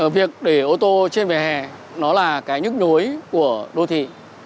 việc để ô tô trên vỉa hè nó là cái nhức nhối của đô thị